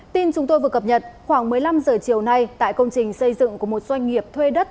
tin chúng tôi vừa cập nhật khoảng một mươi năm h chiều nay tại công trình xây dựng của một doanh nghiệp thuê đất